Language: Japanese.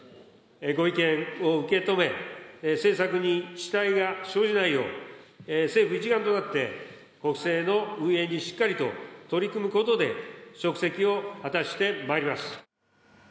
ご意見を受け止め、政策に遅滞が生じないよう、政府一丸となって国政の運営にしっかりと取り組むことで、職責を果たしてまいります。